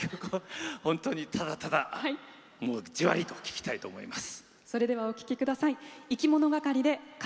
本当に、ただただじわりと聴きたいと思います。